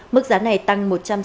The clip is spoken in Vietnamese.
mức giá này tăng